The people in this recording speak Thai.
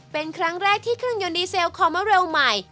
เป็นครั้งแรกที่เครื่องยนต์ดีเซลคอมาเรลใหม่